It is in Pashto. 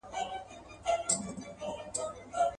ما چي ورلېږلی وې رویباره جانان څه ویل.